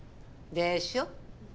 でしょ。